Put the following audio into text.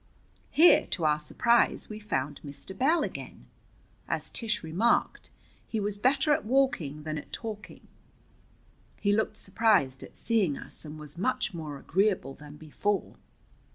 Here, to our surprise, we found Mr. Bell again. As Tish remarked, he was better at walking than at talking. He looked surprised at seeing us, and was much more agreeable than before.